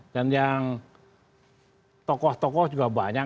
dan yang tokoh tokoh juga banyak